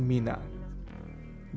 semoga dikumpulkan di sisi bahan minang